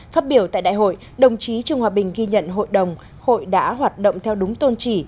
phát biểu tại đại hội đồng chí trương hòa bình ghi nhận hội đồng hội đã hoạt động theo đúng tôn trị